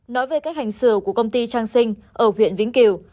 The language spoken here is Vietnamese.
nói về cách hành xử của công ty trang sinh ở huyện vĩnh kiều